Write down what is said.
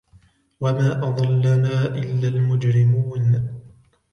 وَمَا أَضَلَّنَا إِلَّا الْمُجْرِمُونَ